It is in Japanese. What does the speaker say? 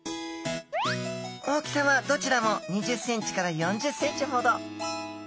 大きさはどちらも２０センチから４０センチほど。